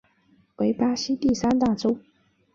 为巴西第三大州。